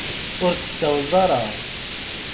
Ur d-tsawaleḍ ara.